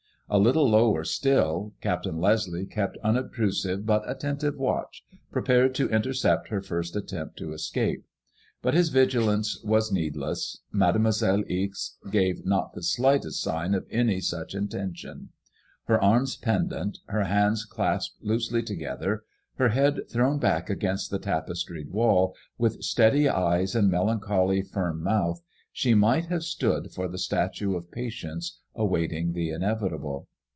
A little lower still, Captain Leslie kept unobtrusive, but attentive watch, prepared to intercept her first attempt to escape. But his vigilance was needless. Made« moiselle Ixe gave not the slightest sign of any such intention. Her arms pendant, her hands clasped loosely together, her head thrown back against the tapestried wall, with steady eyes and melancholy 6rm mouth, she might have stood II 158 MADKMOISBLLX DCS. for the statue of patience await* ing the inevitable.